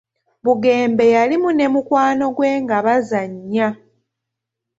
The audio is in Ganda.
Bugembe yalimu ne mukwano gwe nga bazannya.